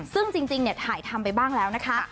ซึ่งจริงถ่ายทำไปบ้างแล้วนะคะ